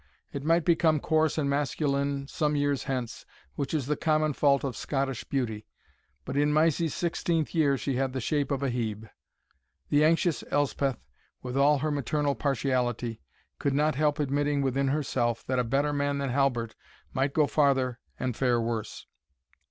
It might become coarse and masculine some years hence, which is the common fault of Scottish beauty; but in Mysie's sixteenth year she had the shape of a Hebe. The anxious Elspeth, with all her maternal partiality, could not help admitting within herself, that a better man than Halbert might go farther and fare worse.